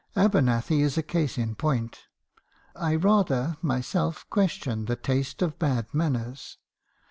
Abernethy is a case in point. I rather, myself, question the taste of bad manners.